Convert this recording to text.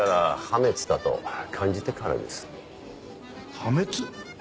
破滅？